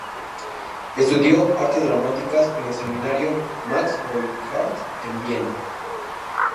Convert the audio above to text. Estudió artes dramáticas en el seminario Max-Reinhardt en Viena.